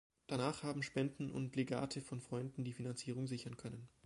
Danach haben Spenden und Legate von Freunden die Finanzierung sichern können.